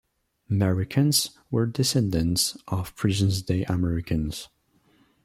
"Mehrikans" were descendants of present-day Americans.